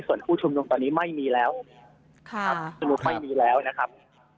ส่วนผู้ชุมนุมตอนนี้ไม่มีแล้วชุมนุมไม่มีแล้วนะครับ